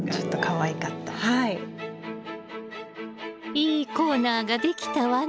いいコーナーが出来たわね。